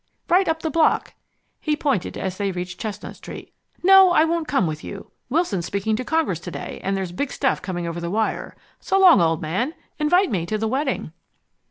"Right up the block," he pointed as they reached Chestnut Street. "No, I won't come with you, Wilson's speaking to Congress to day, and there's big stuff coming over the wire. So long, old man. Invite me to the wedding!"